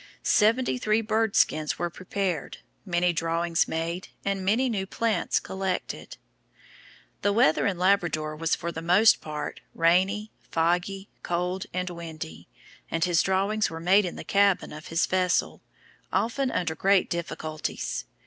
Seventy three bird skins were prepared, many drawings made, and many new plants collected. The weather in Labrador was for the most part rainy, foggy, cold, and windy, and his drawings were made in the cabin of his vessel, often under great difficulties.